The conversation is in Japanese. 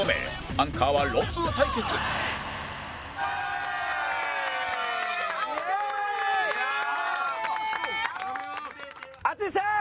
アンカーはロンブー対決淳さん！